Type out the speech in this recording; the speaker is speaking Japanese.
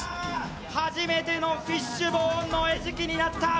初めてのフィッシュボーンの餌食になった。